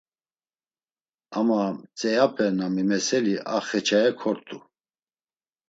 Ama mtzeape na mimeseli a xeçaye kort̆u.